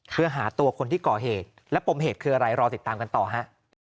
เพื่อหาตัวคนที่ก่อเหตุและปมเหตุคืออะไรรอติดตามกันต่อฮะ